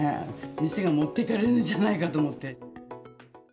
店が持ってかれるんじゃないかと思って。